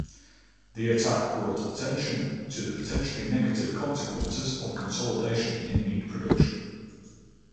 The attack brought attention to the potentially negative consequences of consolidation in meat production.